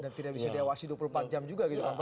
dan tidak bisa diawasi dua puluh empat jam juga gitu kan